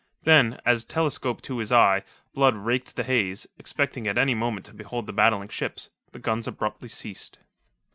Then, as, telescope to his eye, Blood raked the haze, expecting at any moment to behold the battling ships, the guns abruptly ceased.